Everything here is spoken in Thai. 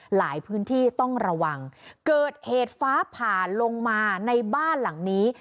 หลายพื้นที่ต้องระวังเกิดเหตุฟ้าผ่าลงมาในบ้านหลังนี้